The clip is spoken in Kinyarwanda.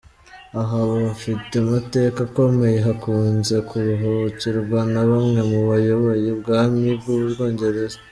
Aha hafite amateka akomeye, hakunze kuruhukirwa na bamwe mu bayoboye Ubwami bw’u Bwongereza.